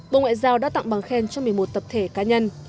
bộ ngoại giao đã tặng bằng khen cho một mươi một tập thể cá nhân